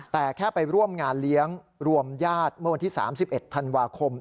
แต่แค่ไปร่วมงานเลี้ยงรวมญาติเมื่อวันที่๓๑ธันวาคม